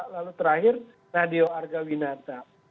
lalu terakhir nadeo argawinata